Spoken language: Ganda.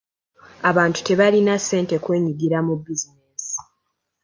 Abantu tebalina ssente kwenyigira mu bizinensi.